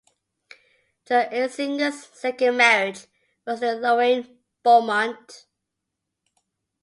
Jo Eisinger's second marriage was to Lorain Beaumont.